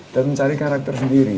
dan mencari karakter sendiri